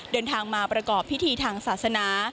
เดินทางมาประกอบพิธีทางศาสนา